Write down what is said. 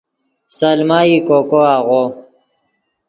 سلمہ ای کوکو آغو